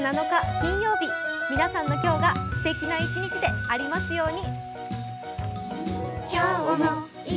金曜日、皆さんの今日がすてきな一日でありますように。